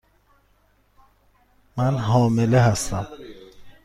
من حامله هستم.